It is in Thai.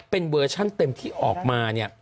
เป็นเวอร์ชั่นเต็มที่ออกมาเนี่ย